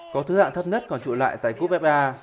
có thứ hạng thấp nhất còn trụ lại tại cú fa